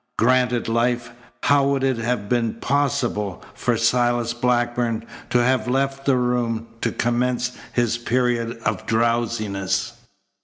Granted life, how would it have been possible for Silas Blackburn to have left the room to commence his period of drowsiness?